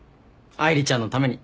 愛梨ちゃんのために。